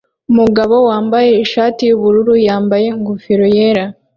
Umugabo wambaye ishati yubururu yambaye ingofero yera